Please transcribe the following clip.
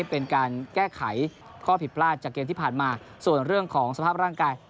เป็นการแก้ไขข้อผิดพลาดจากเกมที่ผ่านมาส่วนเรื่องของสภาพร่างกาย